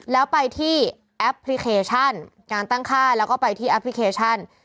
แล้วไปที่แอปพลิเคชันการตั้งค่าแล้วก็ไปที่แอปพลิเคชัน